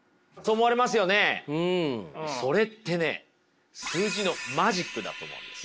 それってね数字のマジックだと思うんです。